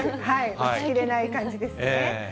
抑えきれない感じですね。